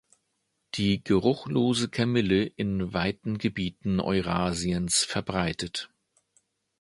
Die Geruchlose Kamille in weiten Gebieten Eurasiens verbreitet.